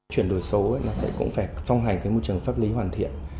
chuyển đổi số cũng phải phong hành môi trường pháp lý hoàn thiện